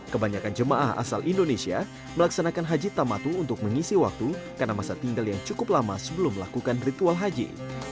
kebanyakan jemaah asal indonesia melaksanakan haji tamatu untuk mengisi waktu karena masa tinggal yang cukup lama sebelum melakukan ritual haji